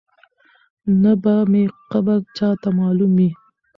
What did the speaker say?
نه به مي قبر چاته معلوم وي